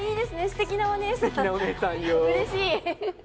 うれしい！